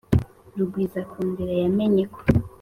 rugwizakurinda yamenye ko